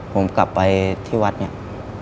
ผมกลับไปที่วัดเนี่ย